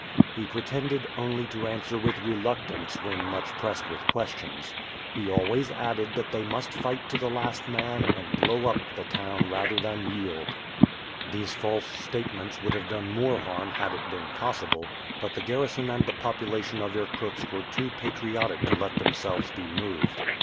He pretended only to answer with reluctance when much pressed with questions. He always added that they must fight to the last man, and blow up the town rather than yield! These false statements would have done more harm had it been possible; but the garrison and the population of Irkutsk were too patriotic to let themselves be moved.